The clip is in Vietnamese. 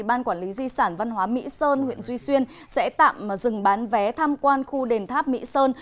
ban quản lý di sản văn hóa mỹ sơn huyện duy xuyên sẽ tạm dừng bán vé tham quan khu đền tháp mỹ sơn